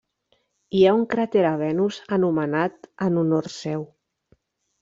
Hi ha un cràter a Venus anomenat en honor seu.